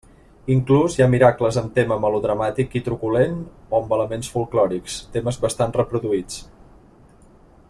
Inclús hi ha miracles amb tema melodramàtic i fins truculent o amb elements folklòrics, temes bastant reproduïts.